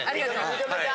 認めた。